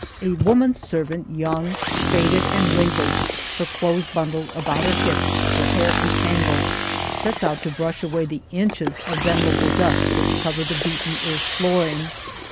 A woman servant, young, faded, and wrinkled, her clothes bundled about her hips, her hair a tangle, sets out to brush away the inches of venerable dust which cover the beaten earth flooring.